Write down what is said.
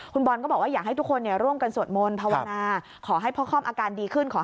คุณบอลก็อยากให้ทุกคนร่วมกัน